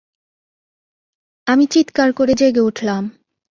আমি চিৎকার করে জেগে উঠলাম।